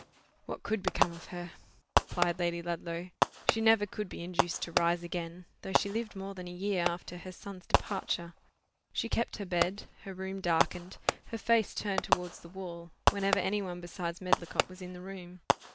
"What could become of her?" replied Lady Ludlow. "She never could be induced to rise again, though she lived more than a year after her son's departure. She kept her bed; her room darkened, her face turned towards the wall, whenever any one besides Medlicott was in the room.